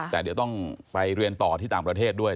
แต่เดี๋ยวต้องไปเรียนต่อที่ต่างประเทศด้วย